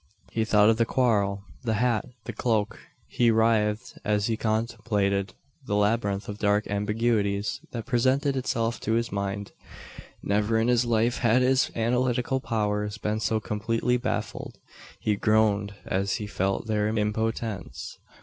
He thought of the quarrel the hat the cloak. He writhed as he contemplated the labyrinth of dark ambiguities that presented itself to his mind. Never in his life had his analytical powers been so completely baffled. He groaned as he felt their impotence.